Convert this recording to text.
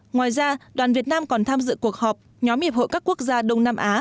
ngoài ra đoàn việt nam còn tham dự cuộc họp nhóm hiệp hội các quốc gia đông nam á